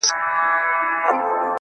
راته ښكلا راوړي او ساه راكړي~